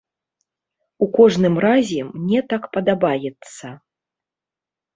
У кожным разе, мне так падабаецца.